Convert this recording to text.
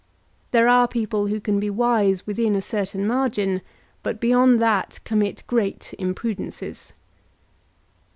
There are people who can be wise within a certain margin, but beyond that commit great imprudences.